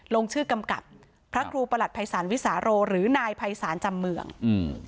ลงชื่อกำกับพระครูประหลัดภัยศาลวิสาโรหรือนายภัยศาลจำเมืองอืม